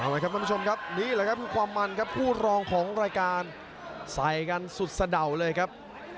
เลยครับท่านผู้ชมครับนี่แหละครับคือความมันครับคู่รองของรายการใส่กันสุดสะเดาวเลยครับ